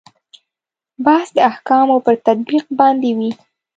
بحث د احکامو پر تطبیق باندې وي.